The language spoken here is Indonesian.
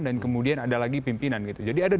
dan kemudian ada lagi pimpinan jadi ada